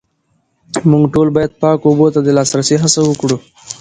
موږ ټول باید پاکو اوبو ته د لاسرسي هڅه وکړو